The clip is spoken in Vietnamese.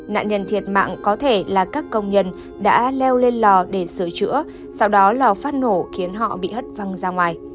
nạn nhân thiệt mạng có thể là các công nhân đã leo lên lò để sửa chữa sau đó lò phát nổ khiến họ bị hất văng ra ngoài